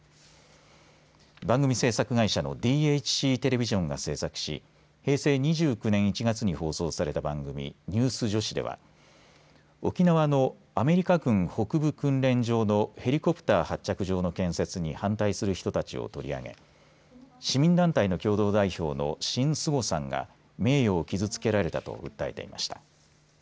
番組制作会社のＤＨＣテレビジョンが制作し平成２９年１月に放送された番組ニュース女子では沖縄のアメリカ軍北部訓練場のヘリコプター発着場の建設に反対する人たちを取り上げ市民団体の共同代表の辛淑玉さんが名誉を傷つけられたと訴えていました。